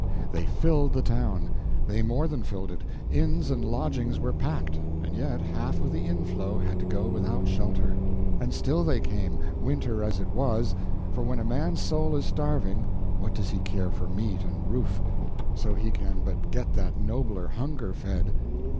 They filled the town; they more than filled it; inns and lodgings were packed, and yet half of the inflow had to go without shelter. And still they came, winter as it was, for when a man's soul is starving, what does he care for meat and roof so he can but get that nobler hunger fed?